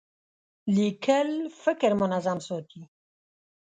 لیکل فکر منظم ساتي.